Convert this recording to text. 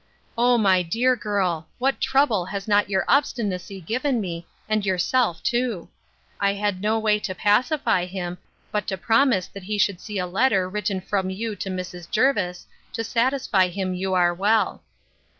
'O my dear girl! what trouble has not your obstinacy given me, and yourself too! I had no way to pacify him, but to promise that he should see a letter written from you to Mrs. Jervis, to satisfy him you are well.